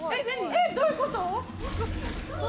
えっどういうこと？